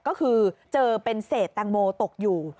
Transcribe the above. ก็คือเจอเป็นเศษแตงโมตกอยู่